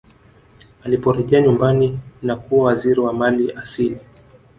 aliporejea nyumbani na kuwa waziri wa mali asili